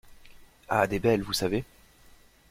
Ah des belles, vous savez!